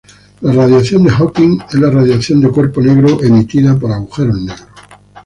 La radiación de Hawking es la radiación de cuerpo negro emitida por agujeros negros.